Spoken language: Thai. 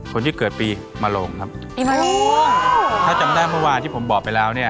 คนที่เกิดปีมาโลงครับปีมาโรงถ้าจำได้เมื่อวานที่ผมบอกไปแล้วเนี่ย